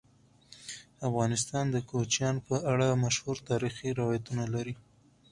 افغانستان د کوچیان په اړه مشهور تاریخی روایتونه لري.